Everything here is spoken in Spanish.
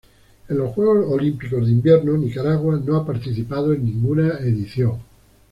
En los Juegos Olímpicos de Invierno Nicaragua no ha participado en ninguna edición.